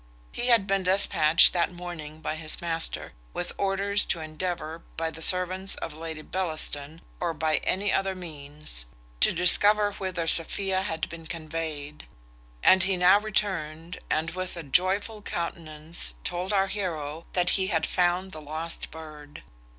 He had been despatched that morning by his master, with orders to endeavour, by the servants of Lady Bellaston, or by any other means, to discover whither Sophia had been conveyed; and he now returned, and with a joyful countenance told our heroe that he had found the lost bird.